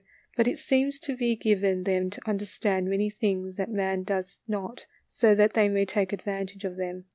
But it seems to be given them to understand many things that man does not, so that they may take advantage of them.